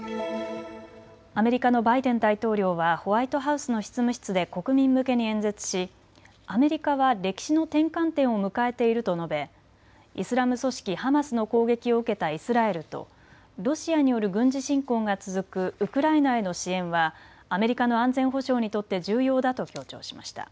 アメリカのバイデン大統領はホワイトハウスの執務室で国民向けに演説しアメリカは歴史の転換点を迎えていると述べ、イスラム組織ハマスの攻撃を受けたイスラエルとロシアによる軍事侵攻が続くウクライナへの支援はアメリカの安全保障にとって重要だと強調しました。